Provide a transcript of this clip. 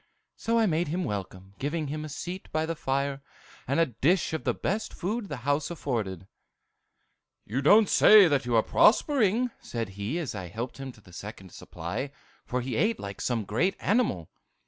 So I made him welcome, giving him a seat by the fire, and a dish of the best food the house afforded. "'You don't say that you're prospering,' said he, as I helped him to the second supply; for he ate like some great animal.